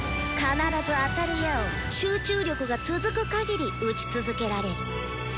必ず当たる矢を集中力が続くかぎりうち続けられる。